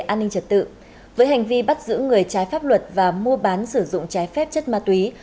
an ninh trật tự với hành vi bắt giữ người trái pháp luật và mua bán sử dụng trái phép chất ma túy